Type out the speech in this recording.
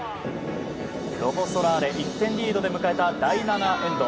ロコ・ソラーレ、１点リードで迎えた第７エンド。